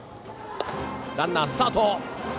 ランナー、スタート。